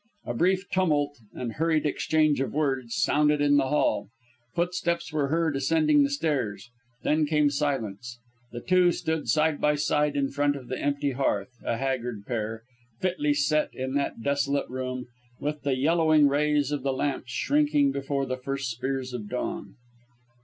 A brief tumult and hurried exchange of words sounded in the hall; footsteps were heard ascending the stairs, then came silence. The two stood side by side in front of the empty hearth, a haggard pair, fitly set in that desolate room, with the yellowing rays of the lamps shrinking before the first spears of dawn.